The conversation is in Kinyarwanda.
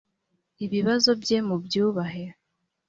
ibibazo bye mubyubahe.